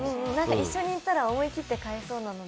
一緒に行ったら、思い切って買えそうなので。